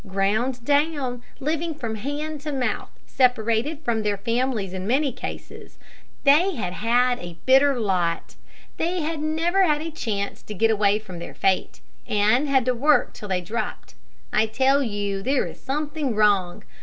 Ground down, living from hand to mouth, separated from their families in many cases they had had a bitter lot. They had never had a chance to get away from their fate, and had to work till they dropped. I tell you there is something wrong.